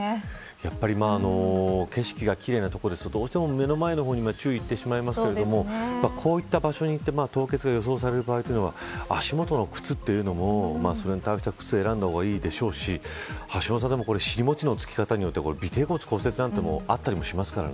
やっぱり景色が奇麗な所ですとどうしても目の前に注意がいってしまいますけどもこういった場所にいて凍結が予想される場合というのは足元の靴というのもそれに適した靴を選んだ方がいいでしょうし橋下さんしりもちのつき方によっては尾てい骨、骨折あったりしますからね。